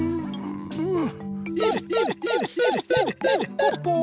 ポッポー。